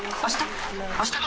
あした？